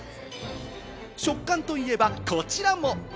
食感といえば、こちらも。